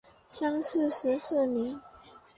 乡试十四名。